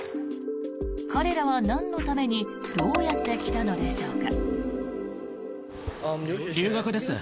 彼らはなんのためにどうやってきたのでしょうか。